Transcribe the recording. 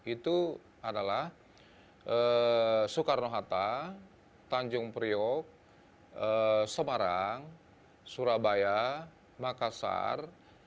itu adalah soekarno hatta tanjung priok semarang surabaya makassar